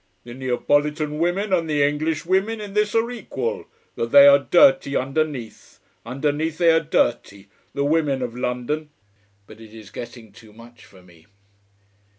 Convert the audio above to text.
The Neapolitan women, and the English women, in this are equal: that they are dirty underneath. Underneath, they are dirty. The women of London But it is getting too much for me.